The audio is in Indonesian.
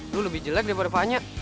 lo lebih jelek daripada vanya